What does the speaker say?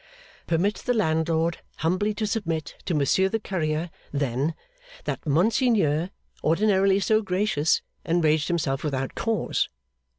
Permit the landlord humbly to submit to Monsieur the Courier then, that Monseigneur, ordinarily so gracious, enraged himself without cause.